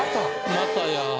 またや。